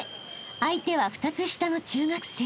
［相手は２つ下の中学生］